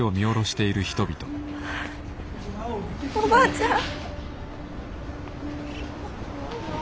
おばあちゃん。